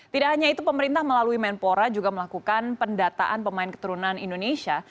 tidak hanya itu pemerintah melalui menpora juga melakukan pendataan pemain keturunan indonesia